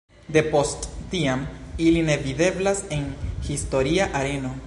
De post tiam ili ne videblas en historia areno.